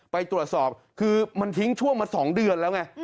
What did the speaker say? ไปตรวจสอบคือมันทิ้งช่วงมา๒เดือนแล้วไง